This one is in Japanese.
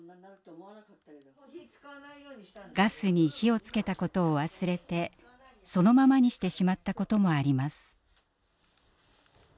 ガスに火をつけたことを忘れてそのままにしてしまったこともあります。